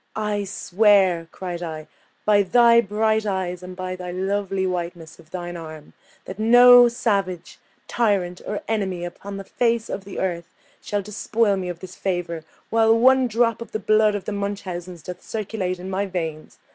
"I swear," cried I, "by thy bright eyes, and by the lovely whiteness of thine arm, that no savage, tyrant, or enemy upon the face of the earth shall despoil me of this favour, while one drop of the blood of the Munchausens doth circulate in my veins!